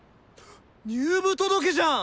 入部届じゃん！